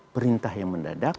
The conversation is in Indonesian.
perintah yang mendadak